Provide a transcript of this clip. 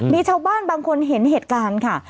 มีชาวบ้านบางคนเห็นเหตุการณ์ค่ะ